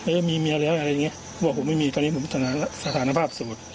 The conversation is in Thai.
เออมีเมียแล้วอะไรอย่างเงี้ยบอกว่าผมไม่มีตอนนี้ผมสถานภาพสูตร